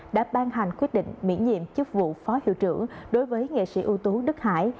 đã ban hành quyết định miễn nhiệm chức vụ phó hiệu trưởng đối với nghệ sĩ ưu tú đức hải